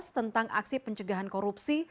tentang aksi pencegahan korupsi